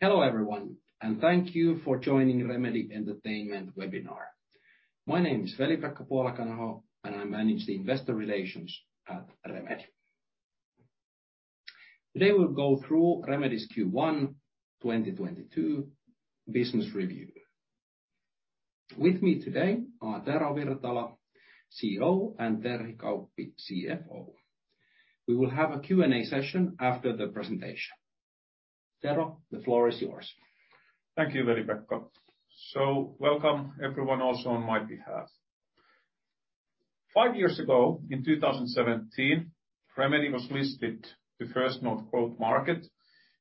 Hello everyone, and thank you for joining Remedy Entertainment webinar. My name is Veli-Pekka Puolakanaho, and I manage the investor relations at Remedy. Today we'll go through Remedy's Q1 2022 business review. With me today are Tero Virtala, CEO, and Terhi Kauppi, CFO. We will have a Q&A session after the presentation. Tero, the floor is yours. Thank you, Veli-Pekka. Welcome everyone also on my behalf five years ago, in 2017, Remedy was listed on the First North Growth Market,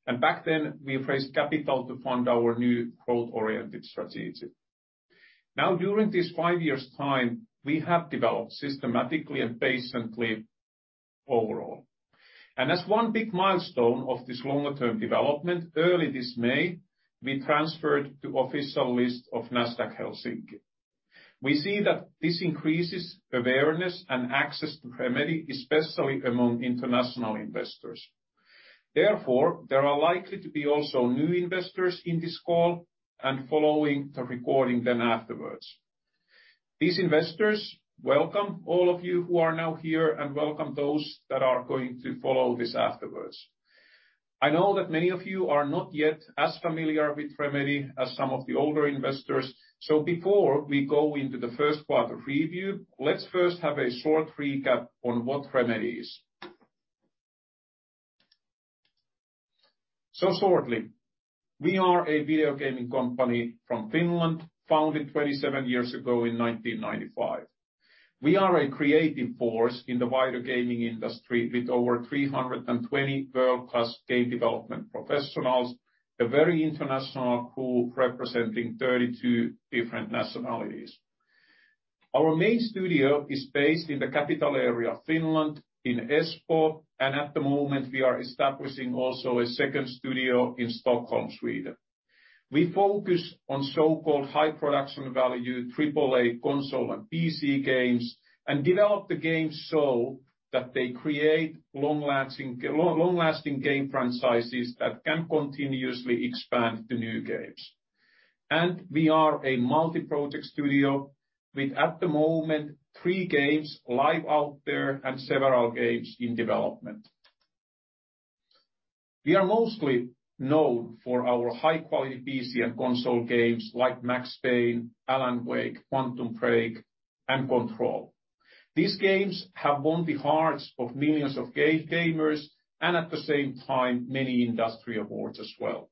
and back then we raised capital to fund our new growth-oriented strategy. Now, during this five years' time, we have developed systematically and patiently overall. As one big milestone of this longer term development, early this May, we transferred to official list of Nasdaq Helsinki. We see that this increases awareness and access to Remedy, especially among international investors. Therefore, there are likely to be also new investors in this call and following the recording then afterwards. These investors, welcome all of you who are now here, and welcome those that are going to follow this afterwards. I know that many of you are not yet as familiar with Remedy as some of the older investors. Before we go into the first part of review, let's first have a short recap on what Remedy is. Shortly, we are a video gaming company from Finland, founded 27 years ago in 1995. We are a creative force in the wider gaming industry, with over 320 world-class game development professionals, a very international pool representing 32 different nationalities. Our main studio is based in the capital area of Finland, in Espoo, and at the moment, we are establishing also a second studio in Stockholm, Sweden. We focus on so-called high production value AAA console and PC games, and develop the games so that they create long-lasting game franchises that can continuously expand to new games. We are a multi-project studio with, at the moment, three games live out there and several games in development. We are mostly known for our high-quality PC and console games like Max Payne, Alan Wake, Quantum Break, and Control. These games have won the hearts of millions of gamers, and at the same time, many industry awards as well.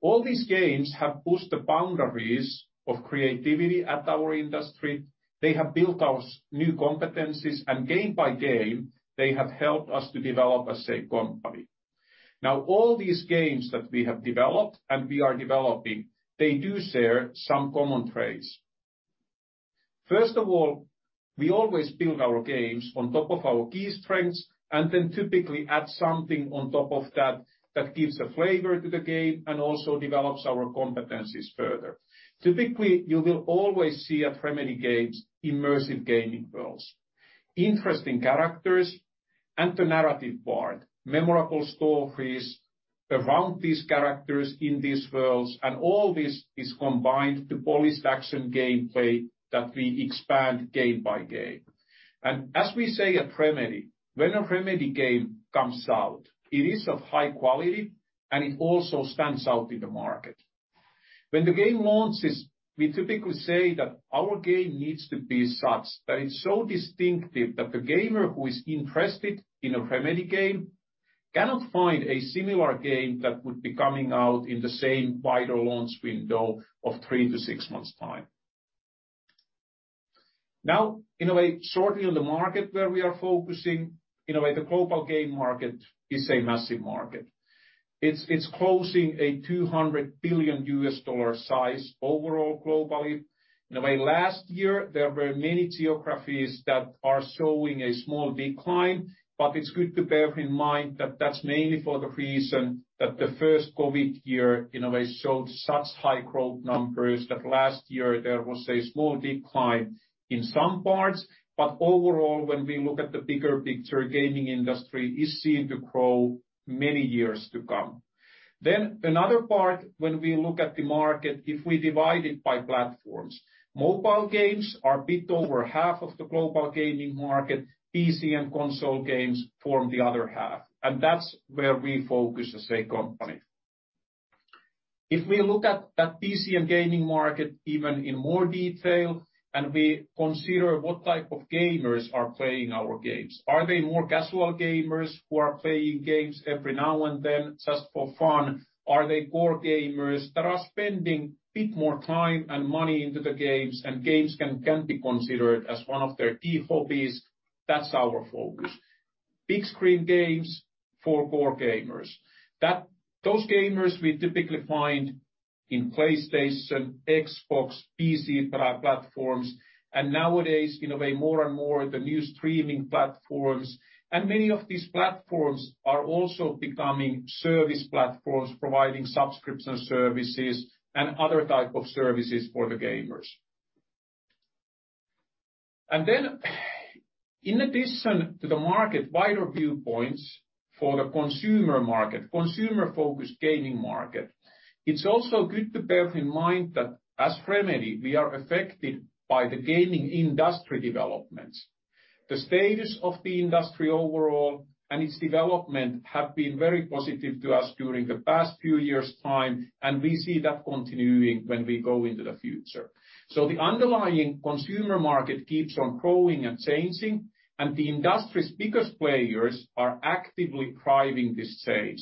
All these games have pushed the boundaries of creativity at our industry. They have built us new competencies, and game by game, they have helped us to develop a safe company. Now, all these games that we have developed and we are developing, they do share some common traits. First of all, we always build our games on top of our key strengths, and then typically add something on top of that that gives a flavor to the game and also develops our competencies further. Typically, you will always see in Remedy games immersive gaming worlds, interesting characters, and the narrative part, memorable stories around these characters in these worlds, and all this is combined to polished action gameplay that we expand game by game. As we say at Remedy, when a Remedy game comes out, it is of high quality, and it also stands out in the market. When the game launches, we typically say that our game needs to be such that it's so distinctive that the gamer who is interested in a Remedy game cannot find a similar game that would be coming out in the same wider launch window of three to six months' time. Now, in a way, sort of on the market where we are focusing, in a way, the global game market is a massive market. It's close to a $200 billion size overall globally. In a way, last year, there were many geographies that are showing a small decline, but it's good to bear in mind that that's mainly for the reason that the first COVID year, in a way, showed such high growth numbers that last year there was a small decline in some parts. Overall, when we look at the bigger picture, gaming industry is seen to grow many years to come. Another part, when we look at the market, if we divide it by platforms, mobile games are a bit over half of the global gaming market. PC and console games form the other half, and that's where we focus as a company. If we look at that PC and gaming market even in more detail, and we consider what type of gamers are playing our games, are they more casual gamers who are playing games every now and then just for fun? Are they core gamers that are spending a bit more time and money into the games, and games can be considered as one of their key hobbies? That's our focus. Big screen games for core gamers. Those gamers we typically find in PlayStation, Xbox, PC platforms, and nowadays, in a way, more and more the new streaming platforms. Many of these platforms are also becoming service platforms, providing subscription services and other type of services for the gamers. In addition to the market, wider viewpoints for the consumer market, consumer-focused gaming market, it's also good to bear in mind that as Remedy, we are affected by the gaming industry developments. The status of the industry overall and its development have been very positive to us during the past few years' time, and we see that continuing when we go into the future. The underlying consumer market keeps on growing and changing, and the industry's biggest players are actively driving this change,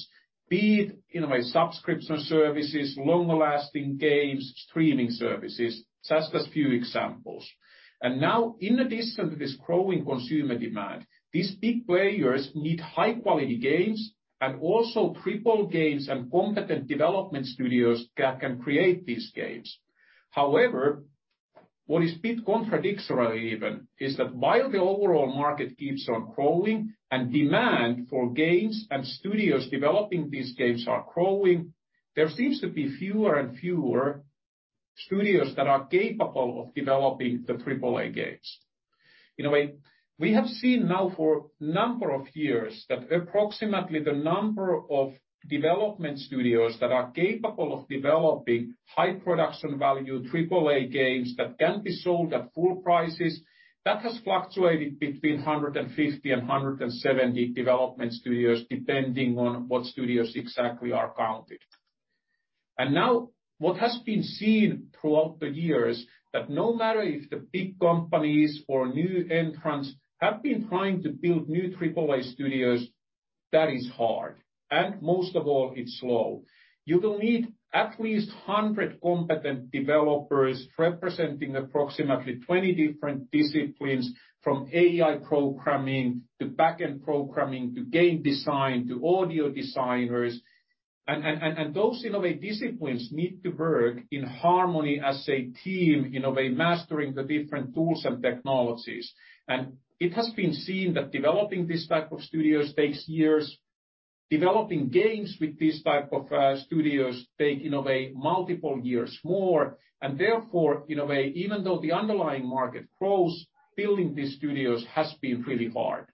be it in a way subscription services, longer-lasting games, streaming services, just as few examples. Now, in addition to this growing consumer demand, these big players need high-quality games and also AAA games and competent development studios can create these games. However, what is a bit contradictory even is that while the overall market keeps on growing and demand for games and studios developing these games are growing, there seems to be fewer and fewer studios that are capable of developing the AAA games. In a way, we have seen now for a number of years that approximately the number of development studios that are capable of developing high production value AAA games that can be sold at full prices, that has fluctuated between 150 and 170 development studios, depending on what studios exactly are counted. Now what has been seen throughout the years that no matter if the big companies or new entrants have been trying to build new AAA studios, that is hard, and most of all, it's slow. You will need at least 100 competent developers representing approximately 20 different disciplines from AI programming to back-end programming to game design to audio designers. Those, in a way, disciplines need to work in harmony as a team, in a way, mastering the different tools and technologies. It has been seen that developing this type of studios takes years. Developing games with these type of studios take, in a way, multiple years more. Therefore, in a way, even though the underlying market grows, building these studios has been really hard.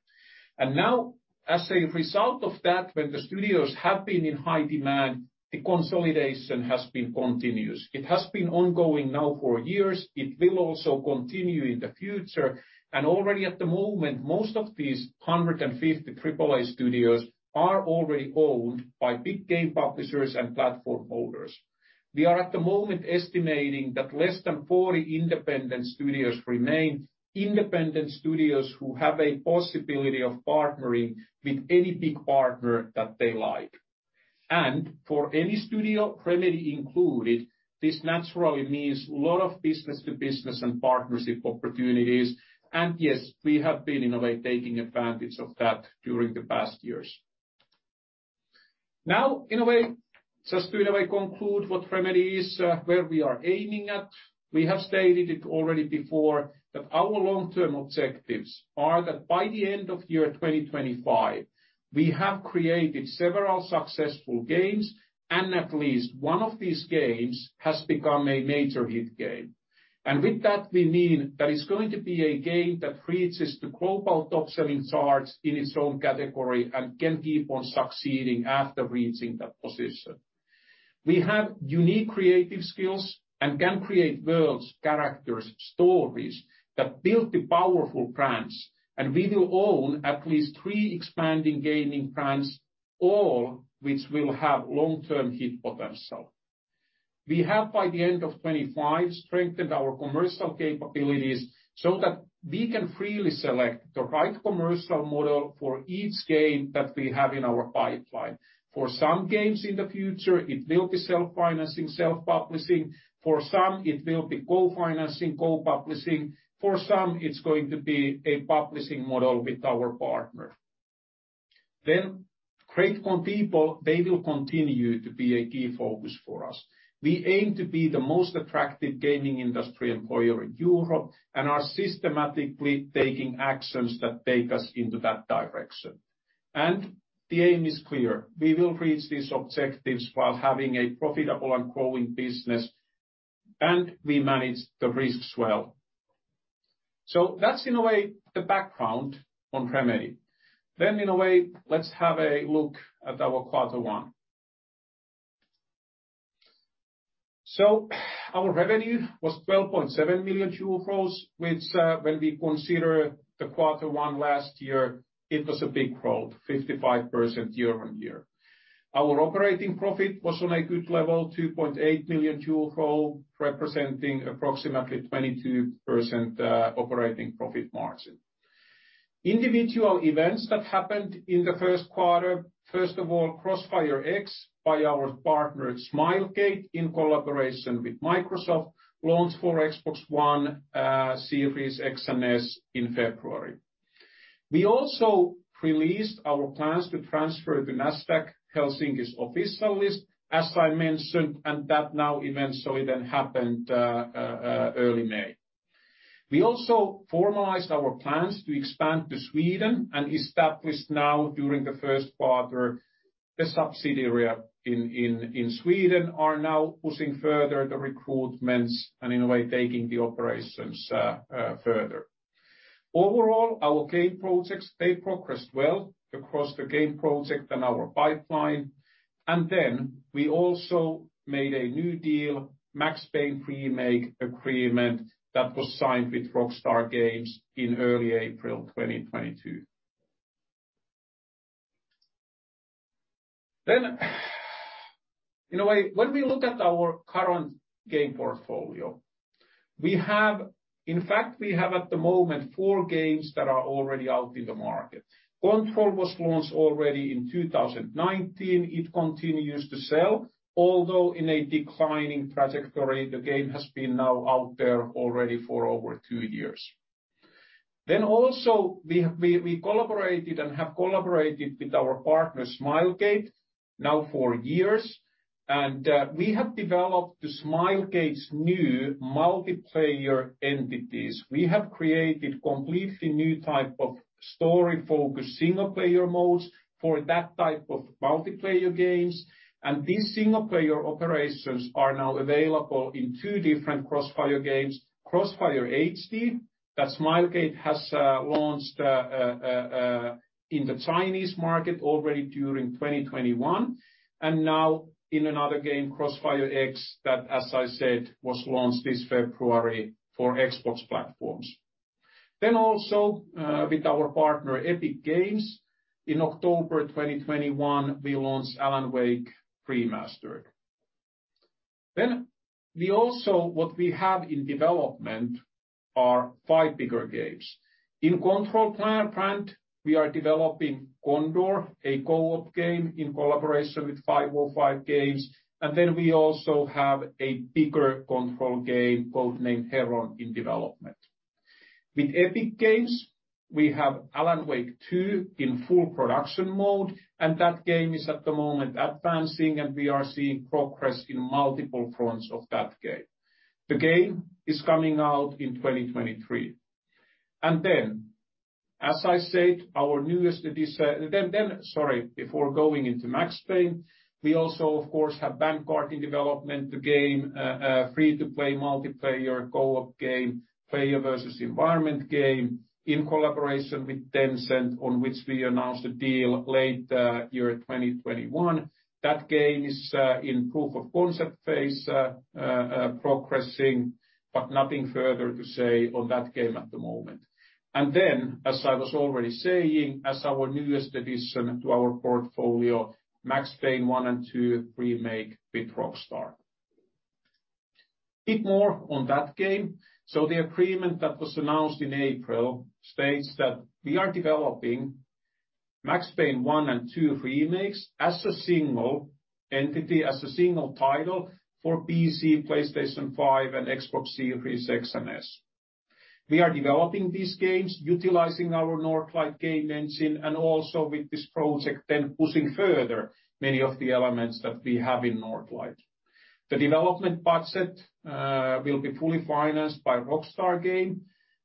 Now, as a result of that, when the studios have been in high demand, the consolidation has been continuous. It has been ongoing now for years. It will also continue in the future. Already at the moment, most of these 150 AAA studios are already owned by big game publishers and platform holders. We are at the moment estimating that less than 40 independent studios remain, independent studios who have a possibility of partnering with any big partner that they like. For any studio, Remedy included, this naturally means lot of business to business and partnership opportunities. Yes, we have been, in a way, taking advantage of that during the past years. Now, in a way, just to conclude what Remedy is, where we are aiming at, we have stated it already before that our long-term objectives are that by the end of year 2025, we have created several successful games, and at least one of these games has become a major hit game. With that, we mean that it's going to be a game that reaches the global top-selling charts in its own category and can keep on succeeding after reaching that position. We have unique creative skills and can create worlds, characters, stories that build the powerful brands. We will own at least three expanding gaming brands, all which will have long-term hit potential. We have, by the end of 2025, strengthened our commercial capabilities so that we can freely select the right commercial model for each game that we have in our pipeline. For some games in the future, it will be self-financing, self-publishing. For some, it will be co-financing, co-publishing. For some, it's going to be a publishing model with our partner. Great on people, they will continue to be a key focus for us. We aim to be the most attractive gaming industry employer in Europe and are systematically taking actions that take us into that direction. The aim is clear. We will reach these objectives while having a profitable and growing business, and we manage the risks well. That's, in a way, the background on Remedy. In a way, let's have a look at our Q1. Our revenue was 12.7 million euros, which, when we consider the Q1 last year, it was a big growth, 55% year-over-year. Our operating profit was on a good level, 2.8 million, representing approximately 22% operating profit margin. Individual events that happened in the Q1, first of all, CrossFireX by our partner Smilegate in collaboration with Microsoft, launched for Xbox One, Xbox Series X, and Xbox Series S in February. We also released our plans to transfer to Nasdaq Helsinki's official list, as I mentioned, and that now eventually happened early May. We also formalized our plans to expand to Sweden and established now during the Q1. The subsidiary in Sweden is now pushing further the recruitments and in a way taking the operations further. Overall, our game projects, they progressed well across the game project and our pipeline. We also made a new deal, Max Payne remake agreement that was signed with Rockstar Games in early April 2022. In a way, when we look at our current game portfolio, we have. In fact, we have at the moment four games that are already out in the market. Control was launched already in 2019. It continues to sell, although in a declining trajectory. The game has been now out there already for over two years. We collaborated and have collaborated with our partner Smilegate now for years, and we have developed Smilegate's new multiplayer entities. We have created completely new type of story-focused single player modes for that type of multiplayer games, and these single player operations are now available in two different CrossFire games, CrossFire HD, that Smilegate has launched in the Chinese market already during 2021 and now in another game, CrossFireX, that, as I said, was launched this February for Xbox platforms. With our partner Epic Games, in October 2021, we launched Alan Wake Remastered. What we have in development are five bigger games. In Control brand, we are developing Condor, a co-op game in collaboration with 505 Games, and then we also have a bigger Control game, codename Heron, in development. With Epic Games, we have Alan Wake 2 in full production mode, and that game is at the moment advancing, and we are seeing progress in multiple fronts of that game. The game is coming out in 2023. As I said, before going into Max Payne, we also of course have Vanguard in development, the game, free-to-play multiplayer co-op game, player versus environment game, in collaboration with Tencent, on which we announced the deal late 2021. That game is in proof of concept phase, progressing, but nothing further to say on that game at the moment. As I was already saying, as our newest addition to our portfolio, Max Payne 1 and 2 remake with Rockstar. Bit more on that game. The agreement that was announced in April states that we are developing Max Payne 1 and 2 remakes as a single entity, as a single title for PC, PlayStation 5, and Xbox Series X and S. We are developing these games utilizing our Northlight Game Engine and also with this project then pushing further many of the elements that we have in Northlight. The development budget will be fully financed by Rockstar Games.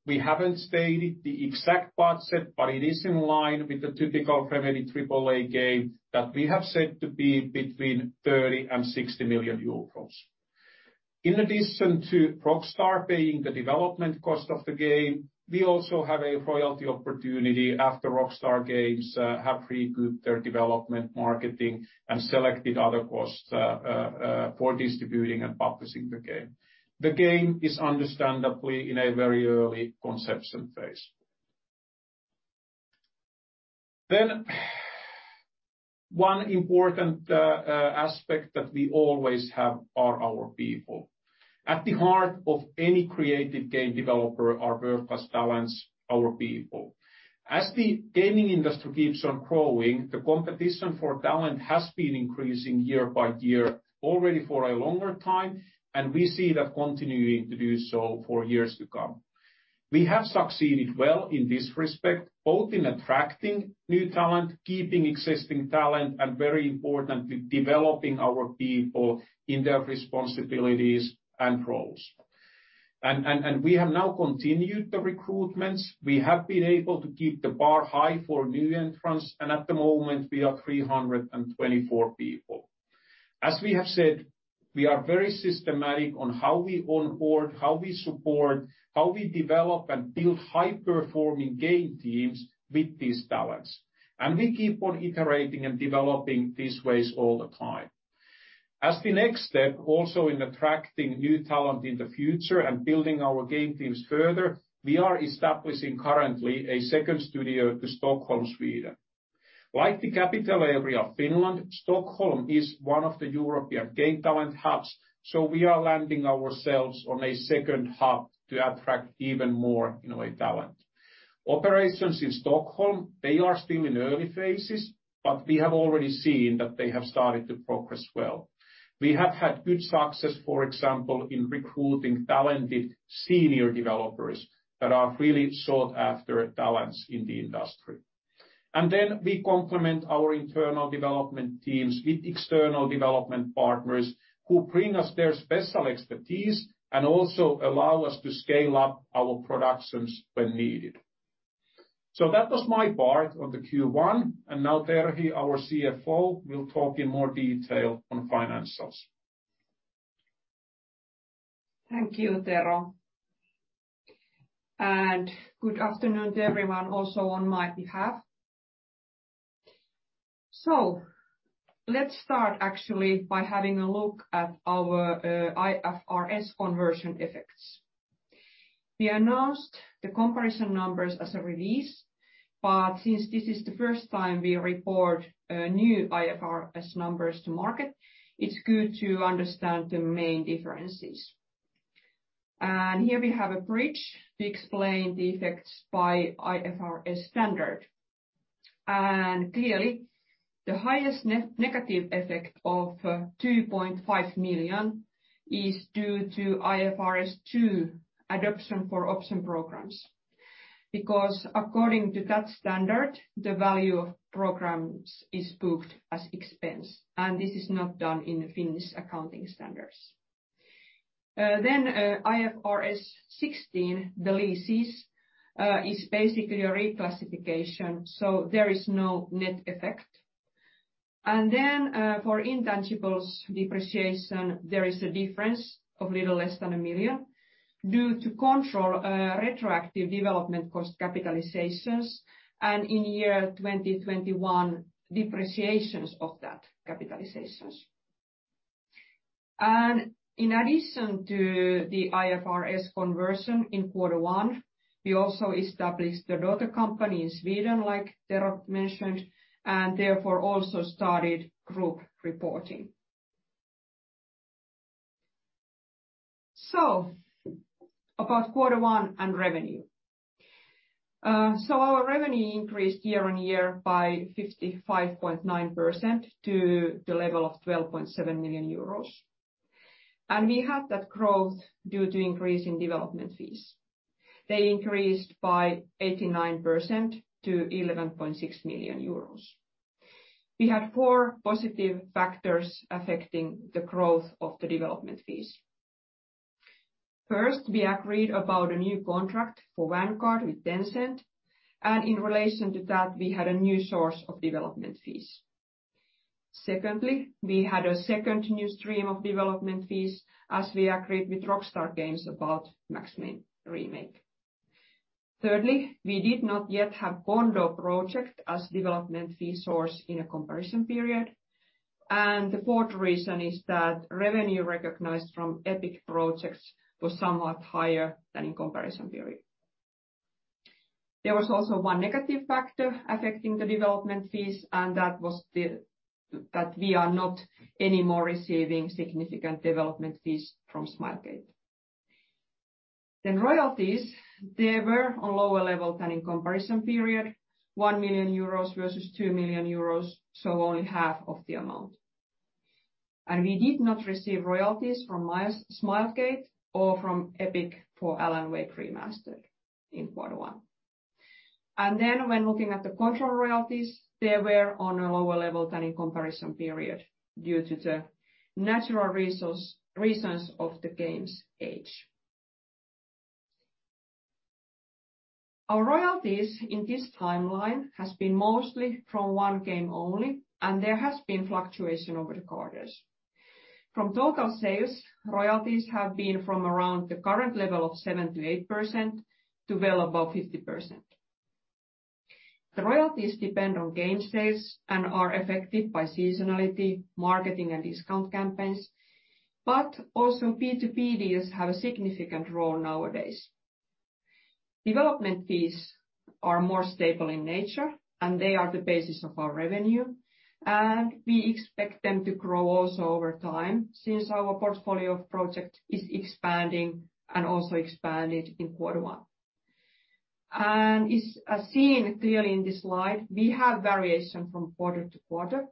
We haven't stated the exact budget, but it is in line with the typical Remedy AAA game that we have said to be between 30 million and 60 million euros. In addition to Rockstar paying the development cost of the game, we also have a royalty opportunity after Rockstar Games have recouped their development, marketing, and selected other costs for distributing and publishing the game. The game is understandably in a very early conception phase. One important aspect that we always have are our people. At the heart of any creative game developer are world-class talents, our people. As the gaming industry keeps on growing, the competition for talent has been increasing year-by-year already for a longer time, and we see that continuing to do so for years to come. We have succeeded well in this respect, both in attracting new talent, keeping existing talent, and very importantly, developing our people in their responsibilities and roles. We have now continued the recruitments. We have been able to keep the bar high for new entrants, and at the moment we are 324 people. As we have said, we are very systematic on how we onboard, how we support, how we develop and build high-performing game teams with these talents. We keep on iterating and developing these ways all the time. As the next step, also in attracting new talent in the future and building our game teams further, we are establishing currently a second studio to Stockholm, Sweden. Like the capital area of Finland, Stockholm is one of the European game talent hubs, so we are landing ourselves on a second hub to attract even more, in a way, talent. Operations in Stockholm, they are still in early phases, but we have already seen that they have started to progress well. We have had good success, for example, in recruiting talented senior developers that are really sought-after talents in the industry. We complement our internal development teams with external development partners who bring us their special expertise and also allow us to scale up our productions when needed. That was my part on the Q1. Now Terhi, our CFO, will talk in more detail on financials. Thank you, Tero. Good afternoon to everyone also on my behalf. Let's start actually by having a look at our IFRS conversion effects. We announced the comparison numbers as a release, but since this is the first time we report new IFRS numbers to market, it's good to understand the main differences. Here we have a bridge to explain the effects by IFRS standard. Clearly, the highest negative effect of 2.5 million is due to IFRS 2 adoption for option programs. Because according to that standard, the value of programs is booked as expense, and this is not done in the Finnish accounting standards. IFRS 16, the leases, is basically a reclassification, so there is no net effect. For intangibles depreciation, there is a difference of little less than 1 million due to Control retroactive development cost capitalizations and in year 2021, depreciations of that capitalizations. In addition to the IFRS conversion in Q1, we also established the daughter company in Sweden, like Tero mentioned, and therefore also started group reporting. About Q1 and revenue. Our revenue increased year-on-year by 55.9% to the level of 12.7 million euros. We had that growth due to increase in development fees. They increased by 89% to 11.6 million euros. We had four positive factors affecting the growth of the development fees. First, we agreed about a new contract for Vanguard with Tencent, and in relation to that, we had a new source of development fees. Secondly, we had a second new stream of development fees as we agreed with Rockstar Games about Max Payne remake. Thirdly, we did not yet have Condor project as development fee source in a comparison period. The fourth reason is that revenue recognized from Epic Projects was somewhat higher than in comparison period. There was also one negative factor affecting the development fees, and that was that we are not any more receiving significant development fees from Smilegate. Royalties, they were on lower level than in comparison period, 1 million euros versus 2 million euros, so only half of the amount. We did not receive royalties from Smilegate or from Epic for Alan Wake Remastered in Q1. When looking at the Control royalties, they were on a lower level than in comparison period due to the natural reasons of the game's age. Our royalties in this timeline has been mostly from one game only, and there has been fluctuation over the quarters. From total sales, royalties have been from around the current level of 7%-8% to well above 50%. The royalties depend on game sales and are affected by seasonality, marketing, and discount campaigns, but also B2B deals have a significant role nowadays. Development fees are more stable in nature, and they are the basis of our revenue. We expect them to grow also over time since our portfolio of project is expanding, and also expanded in Q1. As seen clearly in this slide, we have variation from quarter-to-quarter.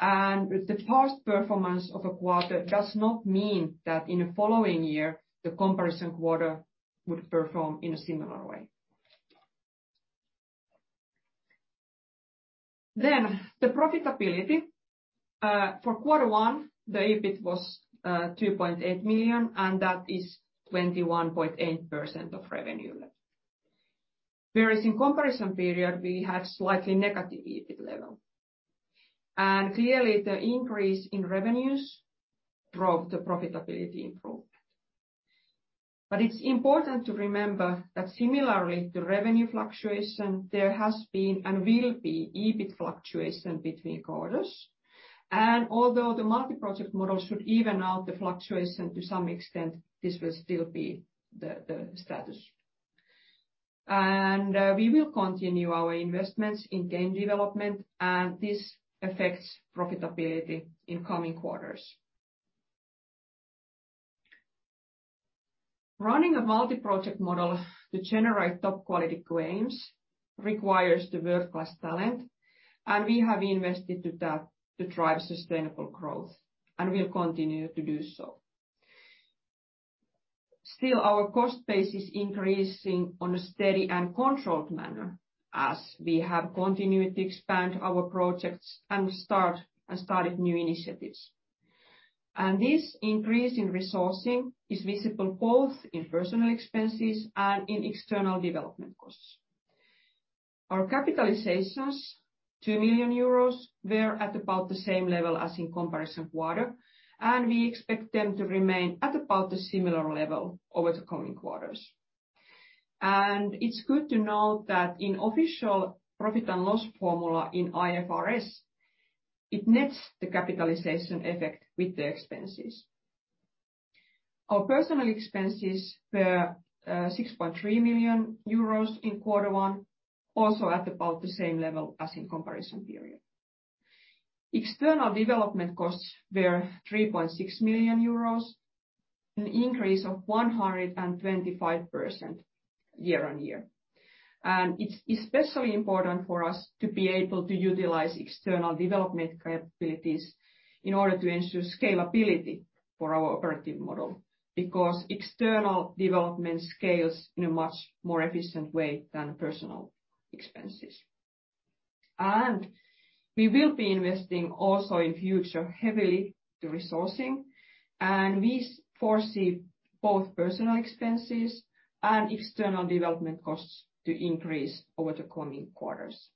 The past performance of a quarter does not mean that in the following year, the comparison quarter would perform in a similar way. The profitability for Q1, the EBIT was 2.8 million, and that is 21.8% of revenue. Whereas in comparison period, we had slightly negative EBIT level. Clearly the increase in revenues drove the profitability improvement. It's important to remember that similarly to revenue fluctuation, there has been and will be EBIT fluctuation between quarters. Although the multi-project model should even out the fluctuation to some extent, this will still be the status. We will continue our investments in game development, and this affects profitability in coming quarters. Running a multi-project model to generate top-quality claims requires the world-class talent, and we have invested to that to drive sustainable growth, and we'll continue to do so. Still, our cost base is increasing in a steady and controlled manner as we have continued to expand our projects and have started new initiatives. This increase in resourcing is visible both in personnel expenses and in external development costs. Our capitalizations, 2 million euros, were at about the same level as in comparison quarter, and we expect them to remain at about a similar level over the coming quarters. It's good to know that in official profit and loss formula in IFRS, it nets the capitalization effect with the expenses. Our personnel expenses were 6.3 million euros in Q1, also at about the same level as in comparison period. External development costs were 3.6 million euros, an increase of 125% year-on-year. It's especially important for us to be able to utilize external development capabilities in order to ensure scalability for our operating model, because external development scales in a much more efficient way than personnel expenses. We will be investing also in future heavily to resourcing, and we foresee both personnel expenses and external development costs to increase over the coming quarters.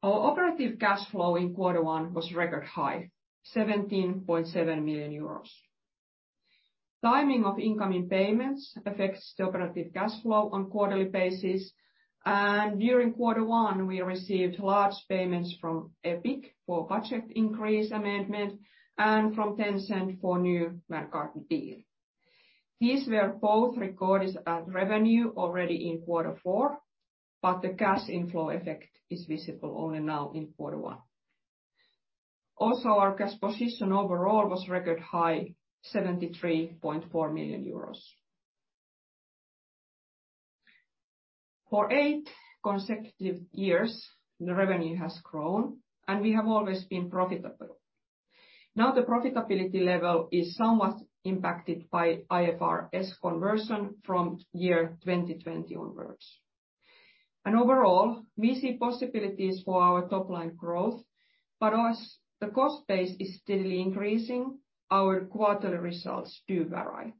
Our operating cash flow in Q1 was record high, 17.7 million euros. Timing of incoming payments affects the operating cash flow on quarterly basis, and during Q1, we received large payments from Epic for budget increase amendment and from Tencent for new Vanguard deal. These were both recorded as revenue already in Q4, but the cash inflow effect is visible only now in Q1. Also, our cash position overall was record high, 73.4 million euros. For eight consecutive years, the revenue has grown, and we have always been profitable. Now the profitability level is somewhat impacted by IFRS conversion from year 2020 onwards. Overall, we see possibilities for our top line growth, but as the cost base is steadily increasing, our quarterly results do vary.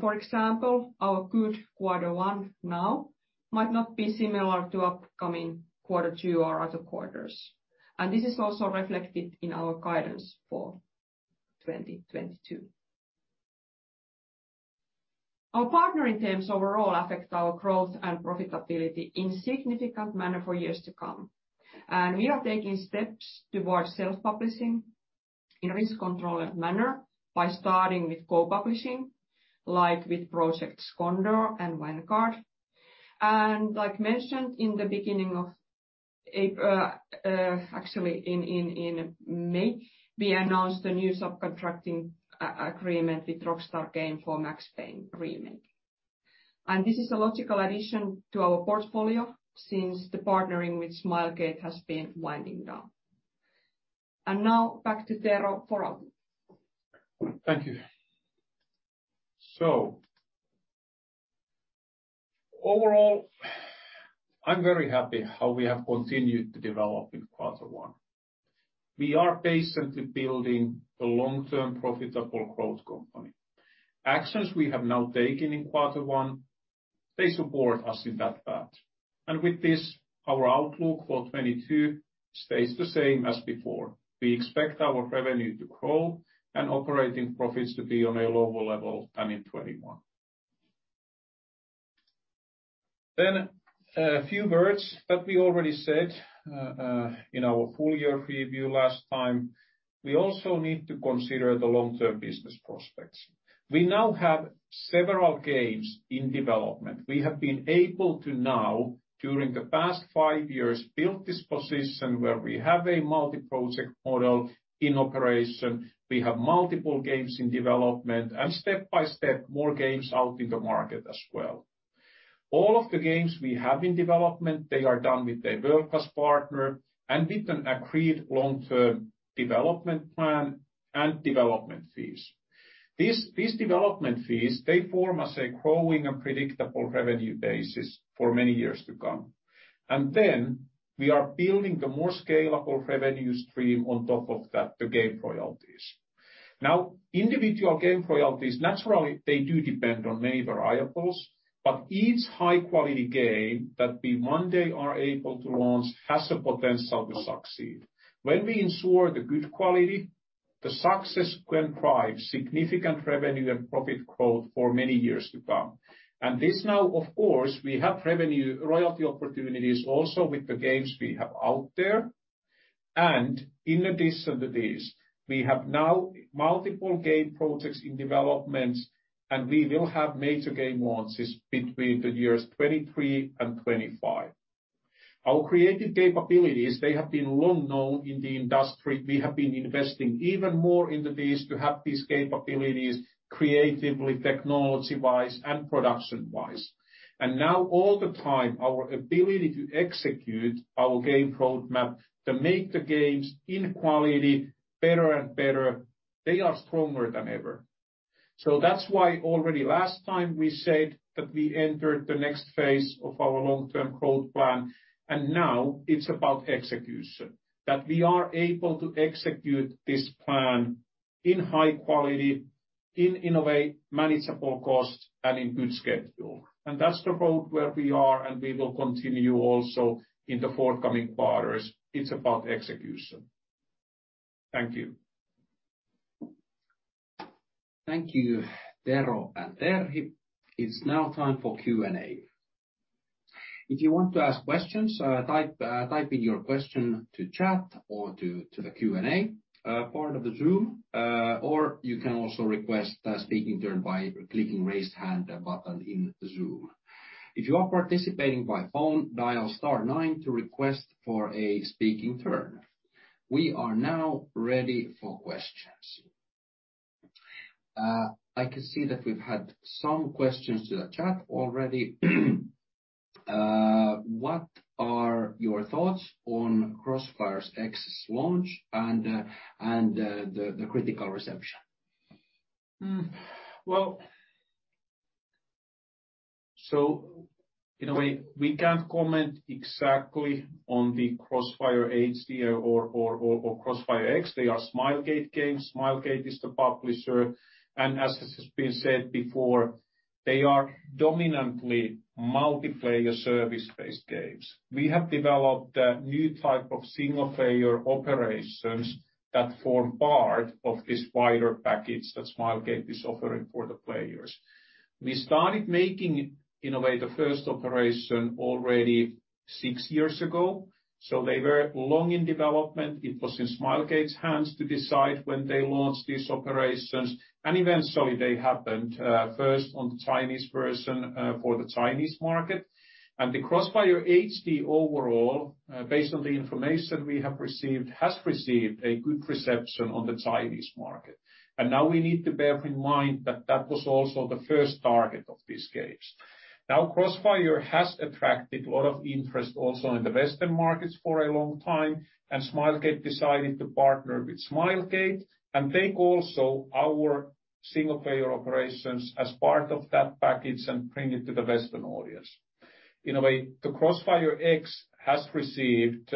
For example, our good Q1 now might not be similar to upcoming Q2 or other quarters. This is also reflected in our guidance for 2022. Our partnering terms overall affect our growth and profitability in significant manner for years to come. We are taking steps towards self-publishing in a risk-controlled manner by starting with co-publishing, like with Project Condor and Vanguard. Like mentioned, actually in May, we announced a new subcontracting agreement with Rockstar Games for Max Payne remake. This is a logical addition to our portfolio since the partnering with Smilegate has been winding down. Now back to Tero for outlook. Thank you. Terhi. I'm very happy how we have continued to develop in Q1. We are patiently building a long-term profitable growth company. Actions we have now taken in Q1, they support us in that path. With this, our outlook for 2022 stays the same as before. We expect our revenue to grow and operating profits to be on a lower level than in 2021. A few words that we already said in our full year preview last time. We also need to consider the long-term business prospects. We now have several games in development. We have been able to now, during the past five years, build this position where we have a multi-project model in operation. We have multiple games in development, and step by step, more games out in the market as well. All of the games we have in development, they are done with a publishing partner and with an agreed long-term development plan and development fees. These development fees, they form as a growing and predictable revenue basis for many years to come. Then we are building a more scalable revenue stream on top of that, the game royalties. Now, individual game royalties, naturally they do depend on many variables, but each high-quality game that we one day are able to launch has the potential to succeed. When we ensure the good quality, the success can drive significant revenue and profit growth for many years to come. This now, of course, we have revenue royalty opportunities also with the games we have out there. In addition to this, we have now multiple game projects in development, and we will have major game launches between the years 2023 and 2025. Our creative capabilities, they have been long known in the industry. We have been investing even more into this to have these capabilities creatively, technology-wise, and production-wise. Now all the time, our ability to execute our game roadmap to make the games in quality better and better, they are stronger than ever. That's why already last time we said that we entered the next phase of our long-term growth plan, and now it's about execution. That we are able to execute this plan in high quality, in a way, manageable costs and in good schedule. That's the road where we are, and we will continue also in the forthcoming quarters. It's about execution. Thank you. Thank you, Tero and Terhi. It's now time for Q&A. If you want to ask questions, type in your question to chat or to the Q&A part of the Zoom, or you can also request a speaking turn by clicking raise hand button in Zoom. If you are participating by phone, dial star nine to request for a speaking turn. We are now ready for questions. I can see that we've had some questions to the chat already. What are your thoughts on CrossFireX launch and the critical reception? Well, in a way, we can't comment exactly on the CrossFire HD or CrossFireX. They are Smilegate games. Smilegate is the publisher. As has been said before, they are dominantly multiplayer service-based games. We have developed a new type of single-player operations that form part of this wider package that Smilegate is offering for the players. We started making, in a way, the first operation already six years ago, so they were long in development. It was in Smilegate's hands to decide when they launched these operations, and eventually they happened first on the Chinese version for the Chinese market. The CrossFire HD overall, based on the information we have received, has received a good reception on the Chinese market. Now we need to bear in mind that that was also the first target of these games. Now, CrossFire has attracted a lot of interest also in the Western markets for a long time, and Smilegate decided to partner with Remedy and take also our single-player operations as part of that package and bring it to the Western audience. In a way, the CrossfireX has received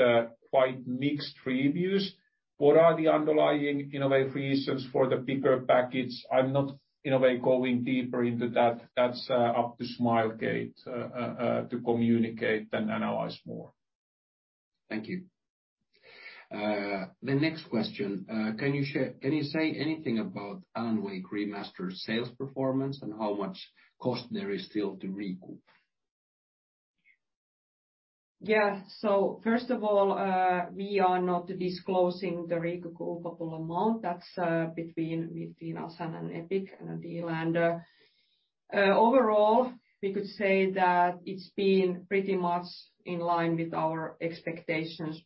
quite mixed reviews. What are the underlying, in a way, reasons for the bigger package? I'm not, in a way, going deeper into that. That's up to Smilegate to communicate and analyze more. Thank you. The next question. Can you say anything about Alan Wake Remastered sales performance and how much cost there is still to recoup? Yeah. First of all, we are not disclosing the recoupable amount. That's between us and Epic and a deal. Overall, we could say that it's been pretty much in line with our expectations.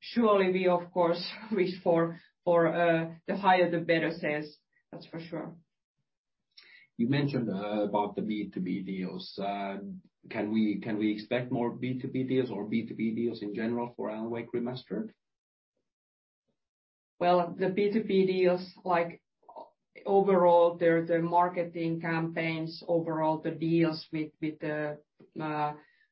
Surely we, of course, wish for the higher the better sales, that's for sure. You mentioned about the B2B deals. Can we expect more B2B deals or B2B deals in general for Alan Wake Remastered? Well, the B2B deals like overall the marketing campaigns overall the deals with the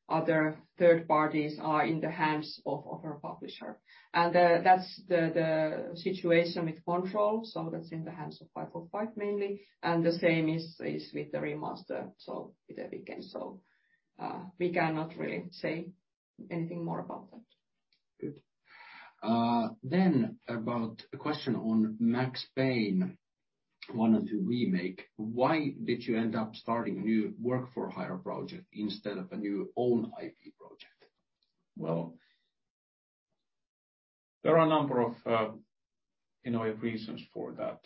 other third parties are in the hands of our publisher. That's the situation with Control, so that's in the hands of 505, mainly, and the same is with the Remastered, so with Epic Games. We cannot really say anything more about that. Good. About a question on Max Payne 1 & 2 remake. Why did you end up starting a new work-for-hire project instead of a new own IP project? Well, there are a number of, you know, reasons for that.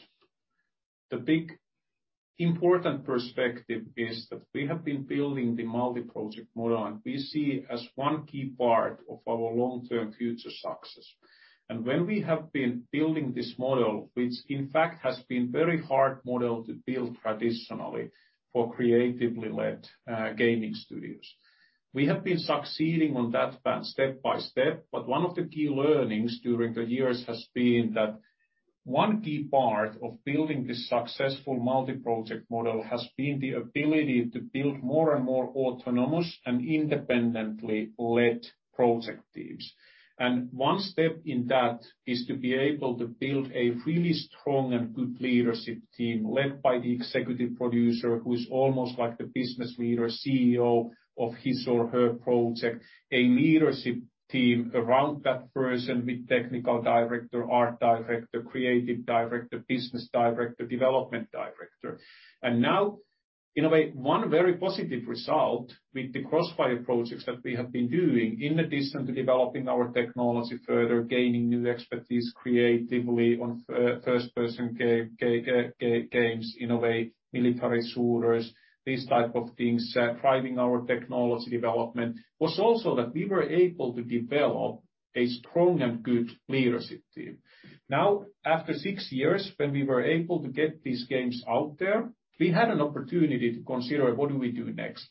The big important perspective is that we have been building the multi-project model, and we see it as one key part of our long-term future success. When we have been building this model, which in fact has been very hard model to build traditionally for creatively led gaming studios. We have been succeeding on that front step by step. One of the key learnings during the years has been that one key part of building this successful multi-project model has been the ability to build more and more autonomous and independently led project teams. One step in that is to be able to build a really strong and good leadership team led by the executive producer, who is almost like the business leader, CEO of his or her project. A leadership team around that person with technical director, art director, creative director, business director, development director. Now, in a way, one very positive result with the CrossFire projects that we have been doing in addition to developing our technology further, gaining new expertise creatively on first person games, in a way, military shooters, these type of things, driving our technology development, was also that we were able to develop a strong and good leadership team. Now, after six years, when we were able to get these games out there, we had an opportunity to consider what do we do next.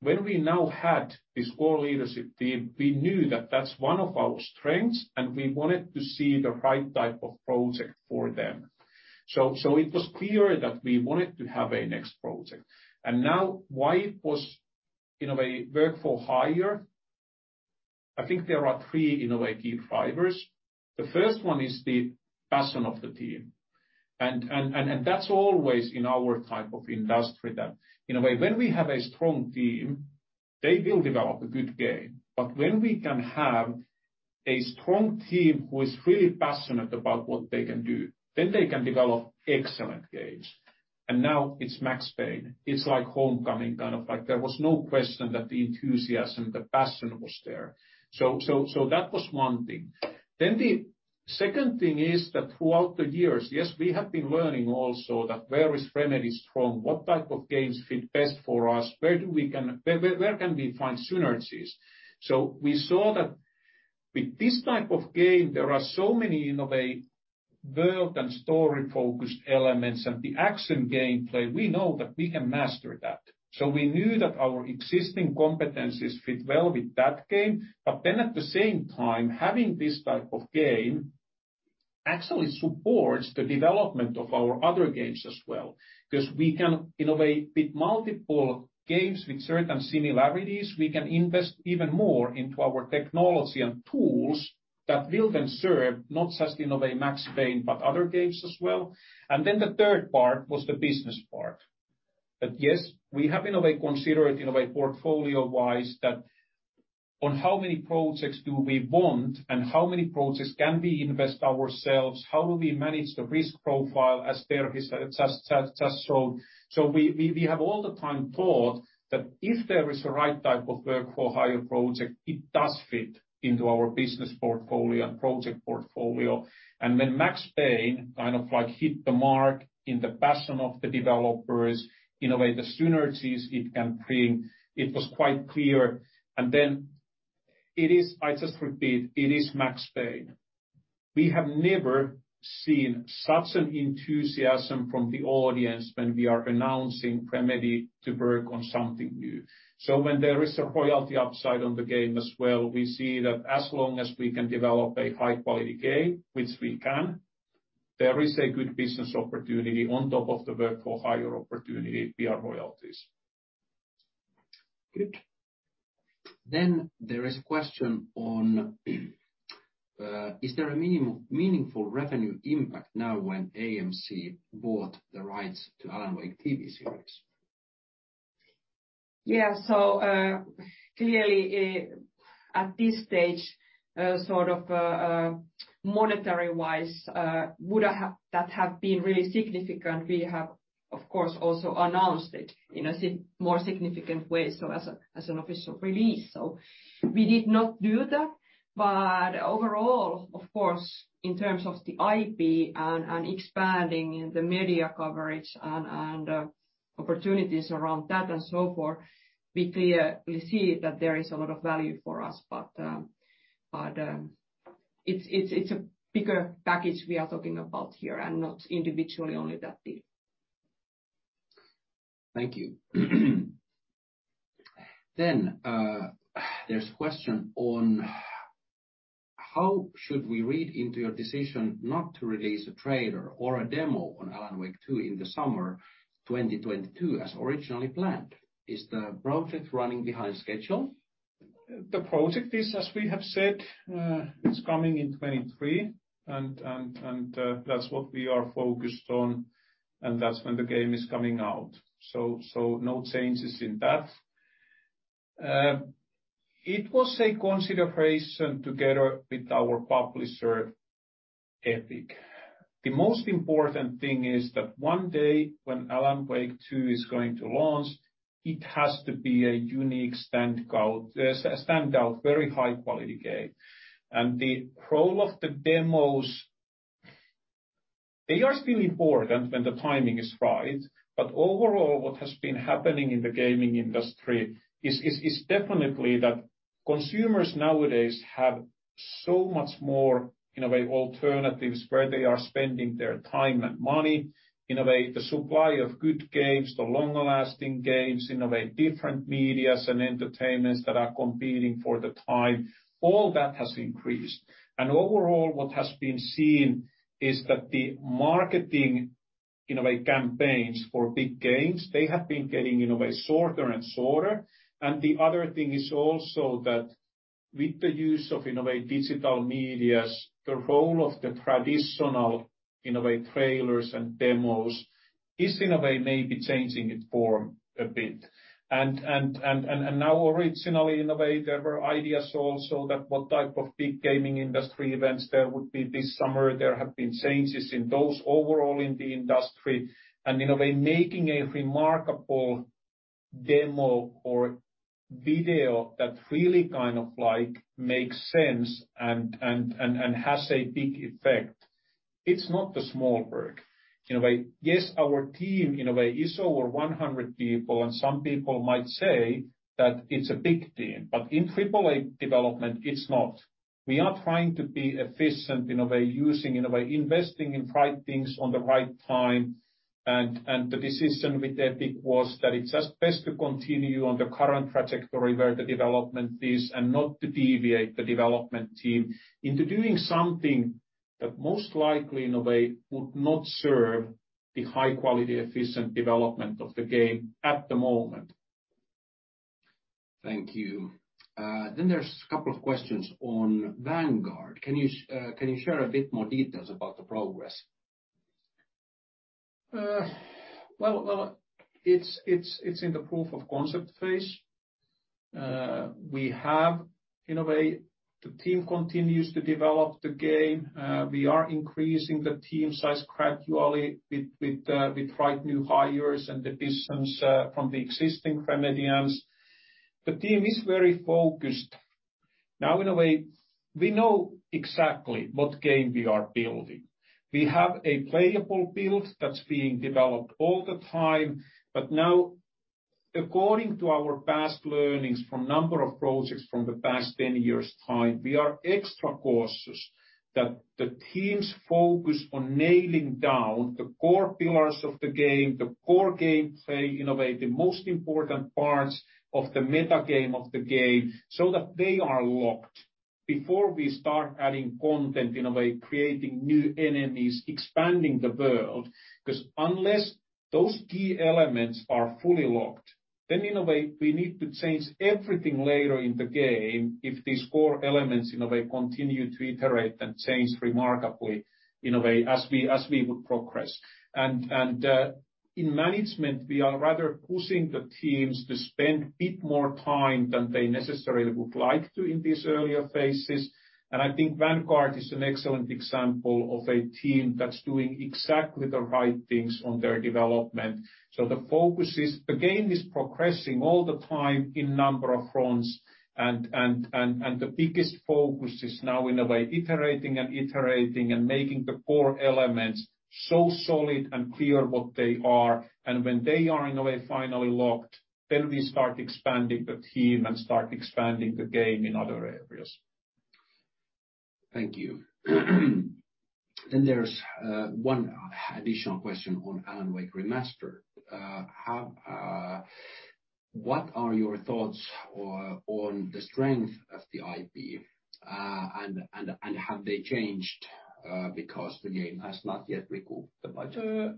When we now had this core leadership team, we knew that that's one of our strengths, and we wanted to see the right type of project for them. It was clear that we wanted to have a next project. In a way, work for hire. I think there are three, in a way, key drivers. The first one is the passion of the team. That's always in our type of industry that, in a way, when we have a strong team, they will develop a good game. But when we can have a strong team who is really passionate about what they can do, then they can develop excellent games. Now it's Max Payne. It's like homecoming, kind of like there was no question that the enthusiasm, the passion was there. So that was one thing. The second thing is that throughout the years, yes, we have been learning also that where is Remedy strong, what type of games fit best for us, where can we find synergies? We saw that with this type of game, there are so many, in a way, world and story-focused elements and the action gameplay, we know that we can master that. We knew that our existing competencies fit well with that game. At the same time, having this type of game actually supports the development of our other games as well, 'cause we can innovate with multiple games with certain similarities. We can invest even more into our technology and tools that will then serve not just, you know, a Max Payne, but other games as well. The third part was the business part. That yes, we have, in a way, considered, portfolio-wise that on how many projects do we want and how many projects can we invest ourselves? How do we manage the risk profile as there is, as shown? We have all the time thought that if there is a right type of work for hire project, it does fit into our business portfolio and project portfolio. When Max Payne kind of like hit the mark in the passion of the developers, in a way, the synergies it can bring, it was quite clear. It is, I just repeat, it is Max Payne. We have never seen such an enthusiasm from the audience when we are announcing Remedy to work on something new. When there is a royalty upside on the game as well, we see that as long as we can develop a high-quality game, which we can, there is a good business opportunity on top of the work for hire opportunity via royalties. Good. There is a question on, is there a meaningful revenue impact now when AMC bought the rights to Alan Wake TV series? Yeah. Clearly, at this stage, sort of, monetary-wise, would have been really significant. We have, of course, also announced it in a more significant way, as an official release. We did not do that. Overall, of course, in terms of the IP and expanding the media coverage and opportunities around that and so forth, we clearly see that there is a lot of value for us. It's a bigger package we are talking about here and not individually only that deal. Thank you. There's a question on how should we read into your decision not to release a trailer or a demo on Alan Wake 2 in the summer 2022 as originally planned? Is the project running behind schedule? The project is, as we have said, it's coming in 2023, and that's what we are focused on, and that's when the game is coming out. No changes in that. It was a consideration together with our publisher, Epic. The most important thing is that one day, when Alan Wake 2 is going to launch, it has to be a unique stand out, very high-quality game. The role of the demos, they are still important when the timing is right. Overall, what has been happening in the gaming industry is definitely that consumers nowadays have so much more, in a way, alternatives where they are spending their time and money. In a way, the supply of good games, the longer-lasting games, in a way, different media and entertainments that are competing for the time, all that has increased. Overall, what has been seen is that the marketing, in a way, campaigns for big games, they have been getting, in a way, shorter and shorter. The other thing is also that with the use of, in a way, digital media, the role of the traditional, in a way, trailers and demos is in a way maybe changing its form a bit. Now originally, in a way, there were ideas also that what type of big gaming industry events there would be this summer. There have been changes in those overall in the industry. In a way, making a remarkable demo or video that really kind of like makes sense and has a big effect, it's not a small work. In a way, yes, our team, in a way, is over 100 people, and some people might say that it's a big team. In AAA development, it's not. We are trying to be efficient, in a way, using, in a way, investing in right things on the right time. The decision with Epic was that it's just best to continue on the current trajectory where the development is and not to deviate the development team into doing something that most likely, in a way, would not serve the high-quality, efficient development of the game at the moment. Thank you. There's a couple of questions on Vanguard. Can you share a bit more details about the progress? Well, it's in the proof of concept phase. We have, in a way, the team continues to develop the game. We are increasing the team size gradually with the right new hires and additions from the existing Remedians. The team is very focused. Now, in a way, we know exactly what game we are building. We have a playable build that's being developed all the time. Now, according to our past learnings from a number of projects from the past 10 years' time, we are extra cautious that the team focuses on nailing down the core pillars of the game, the core game play, in a way, the most important parts of the meta game of the game, so that they are locked before we start adding content, in a way, creating new enemies, expanding the world. 'Cause unless those key elements are fully locked, then, in a way, we need to change everything later in the game if these core elements, in a way, continue to iterate and change remarkably, in a way, as we would progress. In management, we are rather pushing the teams to spend a bit more time than they necessarily would like to in these earlier phases. I think Vanguard is an excellent example of a team that's doing exactly the right things on their development. The focus is. The game is progressing all the time on a number of fronts. The biggest focus is now, in a way, iterating and making the core elements so solid and clear what they are. When they are, in a way, finally locked, then we start expanding the team and start expanding the game in other areas. Thank you. There's one additional question on Alan Wake Remastered. What are your thoughts on the strength of the IP, and have they changed because the game has not yet recouped the budget?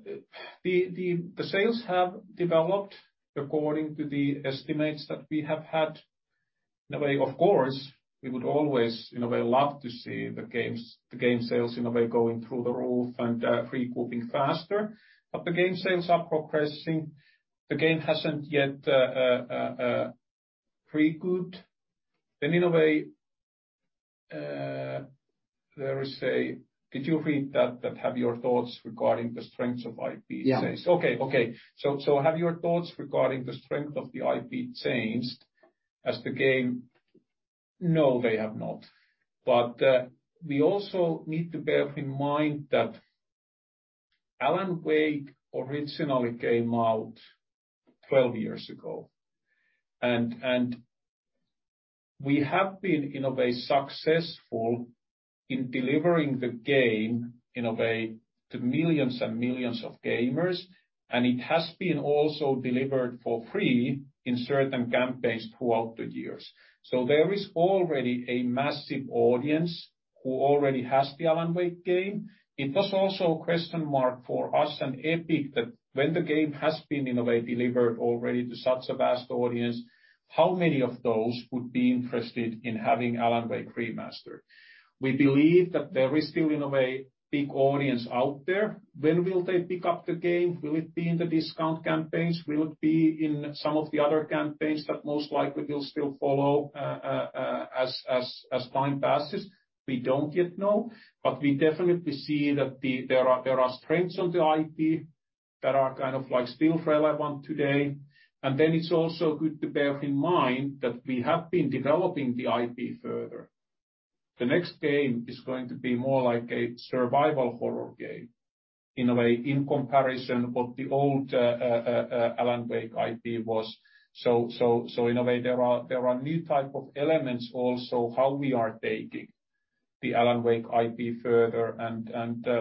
The sales have developed according to the estimates that we have had. In a way, of course, we would always, in a way, love to see the games, the game sales, in a way, going through the roof and recouping faster. The game sales are progressing. The game hasn't yet recouped. In a way, did you read that? Have your thoughts regarding the strengths of IP changed? Yeah. Have your thoughts regarding the strength of the IP changed? No, they have not. We also need to bear in mind that Alan Wake originally came out 12 years ago. We have been, in a way, successful in delivering the game, in a way, to millions and millions of gamers, and it has been also delivered for free in certain campaigns throughout the years. There is already a massive audience who already has the Alan Wake game. It was also a question mark for us and Epic that when the game has been, in a way, delivered already to such a vast audience, how many of those would be interested in having Alan Wake Remastered? We believe that there is still, in a way, big audience out there. When will they pick up the game? Will it be in the discount campaigns? Will it be in some of the other campaigns that most likely will still follow, as time passes? We don't yet know, but we definitely see that there are strengths on the IP that are kind of, like, still relevant today. Then it's also good to bear in mind that we have been developing the IP further. The next game is going to be more like a survival horror game, in a way, in comparison what the old Alan Wake IP was. So in a way, there are new type of elements also how we are taking the Alan Wake IP further.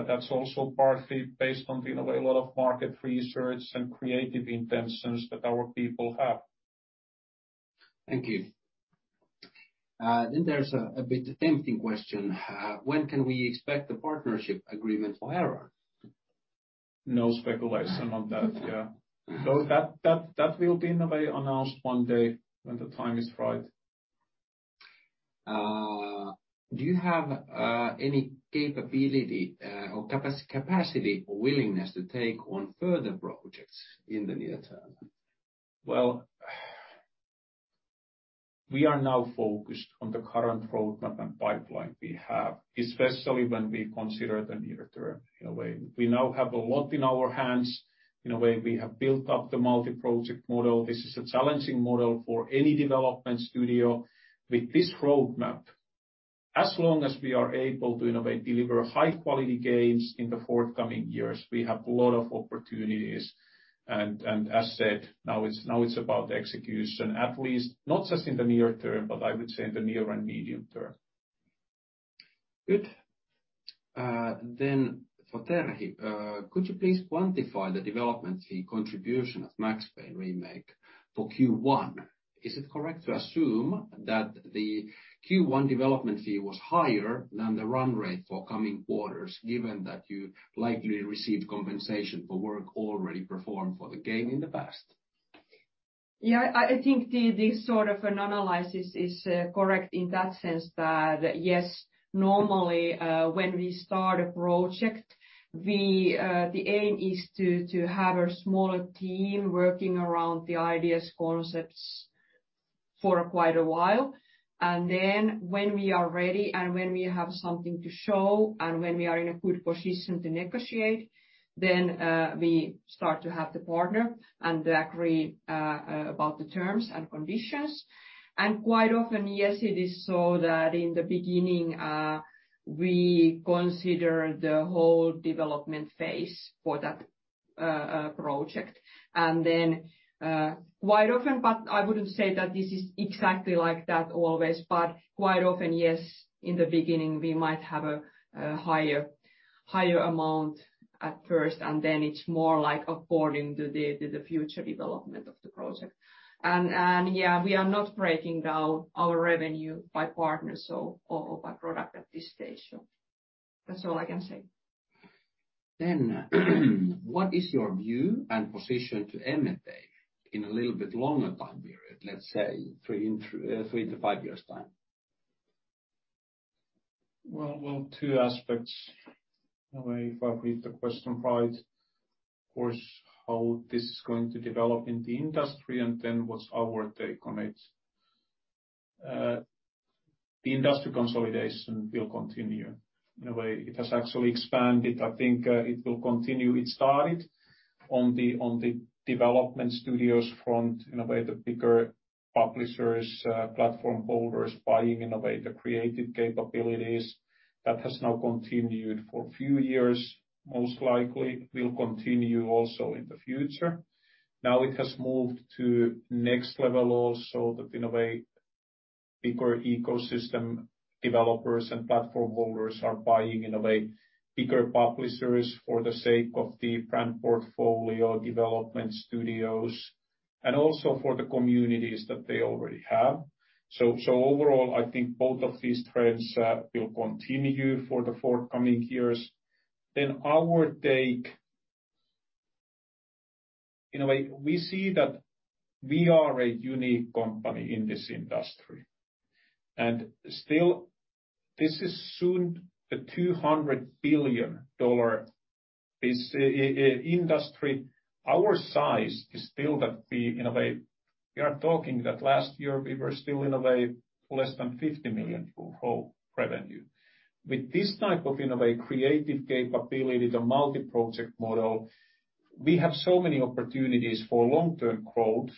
That's also partly based on, in a way, a lot of market research and creative intentions that our people have. Thank you. There's a bit tempting question. When can we expect the partnership agreement for Heron? No speculation on that. Yeah. That will be, in a way, announced one day when the time is right. Do you have any capability or capacity or willingness to take on further projects in the near term? Well, we are now focused on the current roadmap and pipeline we have, especially when we consider the near term, in a way. We now have a lot in our hands. In a way, we have built up the multi-project model. This is a challenging model for any development studio. With this roadmap, as long as we are able to, in a way, deliver high-quality games in the forthcoming years, we have a lot of opportunities. As said, now it's about execution, at least not just in the near term, but I would say in the near and medium term. Good. For Terhi, could you please quantify the development fee contribution of Max Payne Remake for Q1? Is it correct to assume that the Q1 development fee was higher than the run rate for coming quarters, given that you likely received compensation for work already performed for the game in the past? Yeah, I think this sort of an analysis is correct in that sense that, yes, normally, when we start a project, we, the aim is to have a smaller team working around the ideas, concepts for quite a while. When we are ready, and when we have something to show, and when we are in a good position to negotiate, we start to have the partner and agree about the terms and conditions. Quite often, yes, it is so that in the beginning, we consider the whole development phase for that project. Quite often, but I wouldn't say that this is exactly like that always, but quite often, yes, in the beginning, we might have a higher amount at first, and then it's more like affording the future development of the project. Yeah, we are not breaking down our revenue by partners or by product at this stage. That's all I can say. What is your view and position to M&A in a little bit longer time period, let's say three-five years' time? Well, two aspects. If I read the question right, of course, how this is going to develop in the industry and then what's our take on it. The industry consolidation will continue. In a way it has actually expanded. I think, it will continue. It started on the development studios front, in a way, the bigger publishers, platform holders buying in a way the creative capabilities. That has now continued for a few years. Most likely will continue also in the future. Now it has moved to next level also that, in a way, bigger ecosystem developers and platform holders are buying in a way bigger publishers for the sake of the brand portfolio development studios, and also for the communities that they already have. Overall, I think both of these trends, will continue for the forthcoming years. Our take... In a way, we see that we are a unique company in this industry. Still this is soon a $200 billion business industry. Our size is still that we, in a way, we are talking that last year we were still in a way less than 50 million euro for whole revenue. With this type of, in a way, creative capability, the multi-project model, we have so many opportunities for long-term growth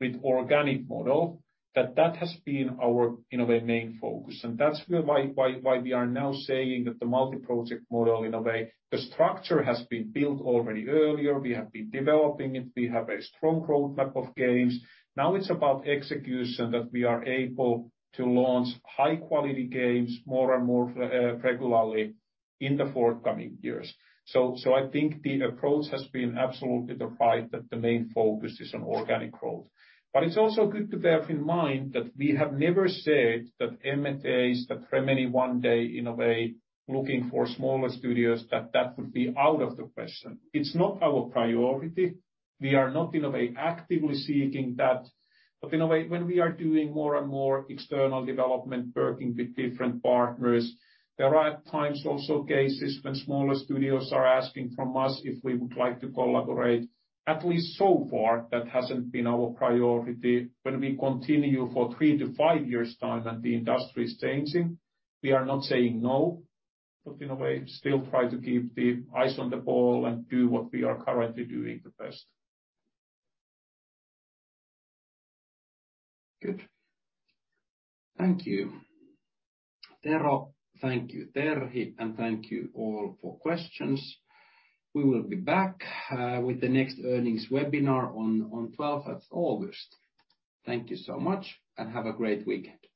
with organic model that has been our, in a way, main focus. That's why we are now saying that the multi-project model, in a way, the structure has been built already earlier. We have been developing it. We have a strong roadmap of games. Now it's about execution, that we are able to launch high-quality games more and more regularly in the forthcoming years. I think the approach has been absolutely the right, that the main focus is on organic growth. It's also good to bear in mind that we have never said that M&A is the remedy one day in a way, looking for smaller studios, that would be out of the question. It's not our priority. We are not, in a way, actively seeking that. In a way, when we are doing more and more external development, working with different partners, there are at times also cases when smaller studios are asking from us if we would like to collaborate. At least so far, that hasn't been our priority. When we continue for three-five years' time and the industry is changing, we are not saying no, but in a way, still try to keep the eyes on the ball and do what we are currently doing the best. Good. Thank you, Tero. Thank you, Terhi, and thank you all for questions. We will be back with the next earnings webinar on twelfth of August. Thank you so much, and have a great weekend.